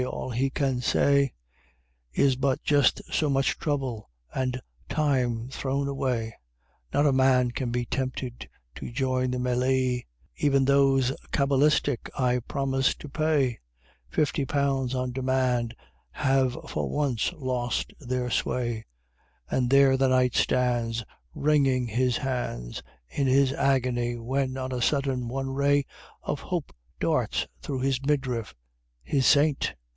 All he can say Is but just so much trouble and time thrown away; Not a man can be tempted to join the mêlée: E'en those words cabalistic, "I promise to pay Fifty pounds on demand," have for once lost their sway, And there the Knight stands Wringing his hands In his agony when on a sudden, one ray Of hope darts through his midriff! His Saint!